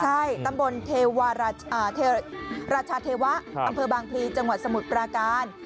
ใช่ตำบลเทวาราชาเทวะอำเภอบางพลีจังหวัดสมุทรปราการ